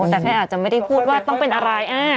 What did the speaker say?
แต่แค่อาจจะไม่ได้พูดว่าต้องเป็นอะไร